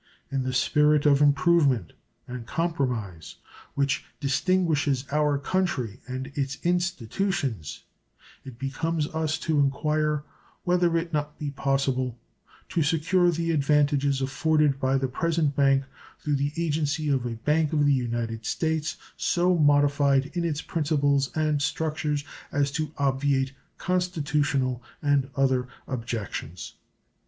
In the spirit of improvement and compromise which distinguishes our country and its institutions it becomes us to inquire whether it be not possible to secure the advantages afforded by the present bank through the agency of a Bank of the United States so modified in its principles and structures as to obviate constitutional and other objections.